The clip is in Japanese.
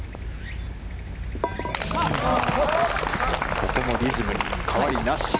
ここもリズムに変わりなし。